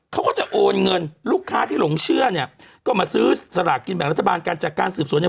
เขาก็จะโอนเงินลูกค้าที่หลงเชื่อเนี่ยก็มาซื้อสลากกินแบ่งรัฐบาลกันจากการสืบสวนเนี่ย